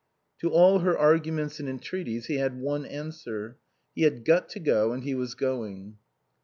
To all her arguments and entreaties he had one answer: He had got to go and he was going.